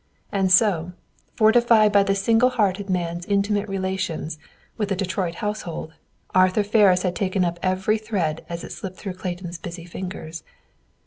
And so, fortified by the single hearted man's intimate relations with the Detroit household, Arthur Ferris had taken up every thread as it slipped through Clayton's busy fingers.